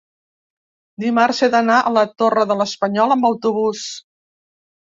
dimarts he d'anar a la Torre de l'Espanyol amb autobús.